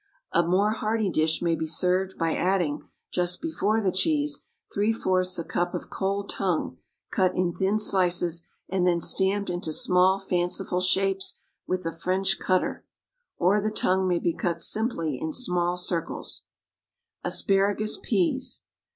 A more hearty dish may be served by adding, just before the cheese, three fourths a cup of cold tongue cut in thin slices and then stamped into small fanciful shapes with a French cutter; or the tongue may be cut simply in small cubes. =Asparagus Peas.